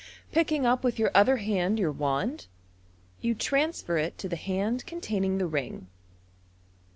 Picking up with your other hand your wand, you transfer it to the hand containing the ring.